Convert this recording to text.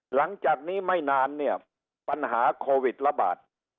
หลังจากนี้ไม่นานเนี่ยปัญหาโควิดระบาด